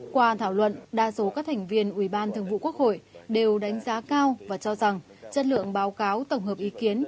qua thảo luận đa số các thành viên ủy ban thường vụ quốc hội đều đánh giá cao và cho rằng chất lượng báo cáo tổng hợp ý kiến